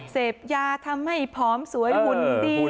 เสพยาทำให้ผอมสวยหุ่นดี